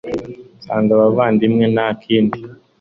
nsanze abavandimwe, nta kindi